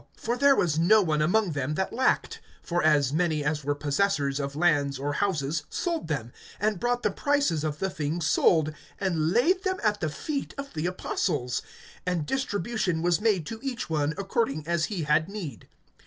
(34)For there was no one among them that lacked; for as many as were possessors of lands or houses sold them, and brought the prices of the things sold, (35)and laid them at the feet of the apostles; and distribution was made to each one, according as he had need.